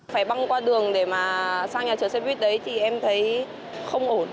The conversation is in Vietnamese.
phải băng qua đường để mà sang nhà chở xe buýt đấy thì em thấy không ổn